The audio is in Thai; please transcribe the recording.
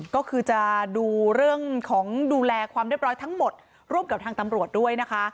ก็คือจะดูเรื่องของดูแลความเรียบร้อยทั้งหมดร่วมกับทางตำรวจด้วยนะคะ